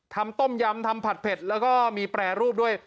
ต้มยำทำผัดเผ็ดแล้วก็มีแปรรูปด้วย